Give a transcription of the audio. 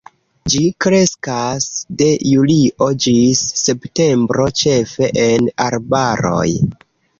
Ĝi kreskas de julio ĝis septembro, ĉefe en arbaroj.